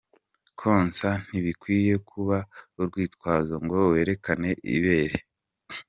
Konsa ntibikwiye kuba urwitwazo ngo werekana ibere.